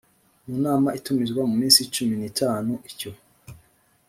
nama itumizwa mu minsi cumi n itanu icyo